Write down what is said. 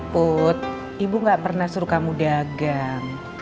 put ibu gak pernah suruh kamu dagang